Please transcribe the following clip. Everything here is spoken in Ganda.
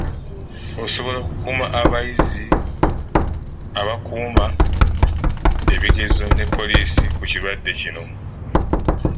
Okusobola okukuuma abayizi, abakuuma ebigezo ne poliisi ku kirwadde kino.